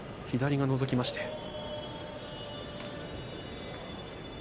左がのぞきました。